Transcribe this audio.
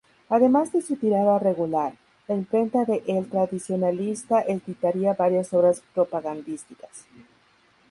Además de su tirada regular, la imprenta de "El Tradicionalista" editaría varias obras propagandísticas.